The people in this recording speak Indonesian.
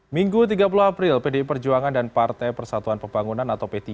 minggu tiga puluh april pdi perjuangan dan partai persatuan pembangunan atau p tiga